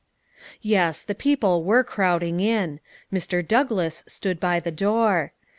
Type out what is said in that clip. Yes, the people were crowding in. Mr. Douglass stood by the door.